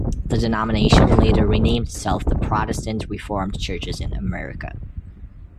The denomination later renamed itself the Protestant Reformed Churches in America.